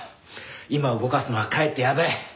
今動かすのはかえってやべえ！